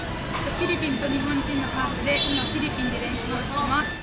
フィリピンと日本人のハーフで、今、フィリピンで練習をしています。